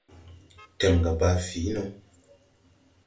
Tɛmga baa fǐi no.